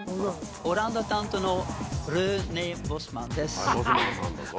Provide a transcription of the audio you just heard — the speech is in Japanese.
オランダ担当のルネ・ボスマンです。